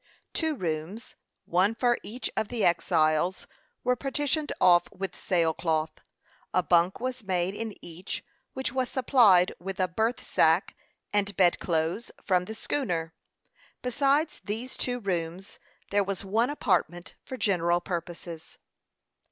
Two rooms, one for each of the exiles, were partitioned off with sail cloth. A bunk was made in each, which was supplied with a berth sack and bed clothes from the schooner. Besides these two rooms, there was one apartment for general purposes.